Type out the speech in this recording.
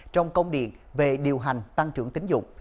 trong công điện về điều hành tăng trưởng tính dụng